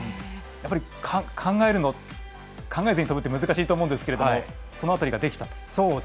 やっぱり考えずに飛ぶって難しいと思うんですけどその辺りができたと。